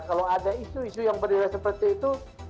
kalau ada isu isu yang bernilai seperti itu